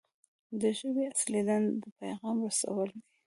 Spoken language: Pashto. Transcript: د ژبې اصلي دنده د پیغام رسول دي.